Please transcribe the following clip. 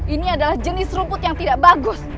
ini adalah jenis rumput yang tidak bagus